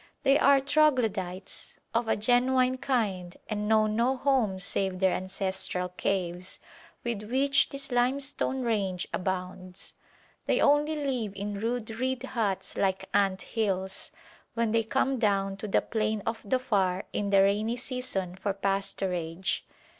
They are troglodytes of a genuine kind and know no home save their ancestral caves, with which this limestone range abounds; they only live in rude reed huts like ant hills, when they come down to the plain of Dhofar in the rainy season for pasturage.